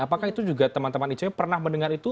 apakah itu juga teman teman icw pernah mendengar itu